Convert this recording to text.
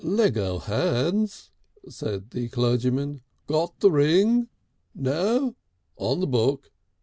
"Lego hands," said the clergyman; "got the ring? No! On the book.